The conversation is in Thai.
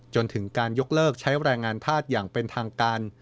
จนถึงการยกเลิกใช้แรงงานธาตุอย่างเป็นทางการ